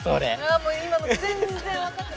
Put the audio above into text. あもう今の全然分かってない。